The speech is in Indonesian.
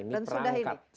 dan sudah ini